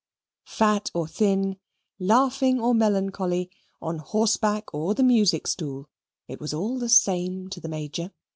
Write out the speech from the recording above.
Fat or thin, laughing or melancholy, on horseback or the music stool, it was all the same to the Major.